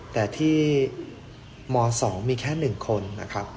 แต่ที่ม๒มีแค่๑คนนะครับ